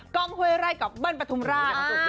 กองเฮวไรกับเบิ้ลประทุมราช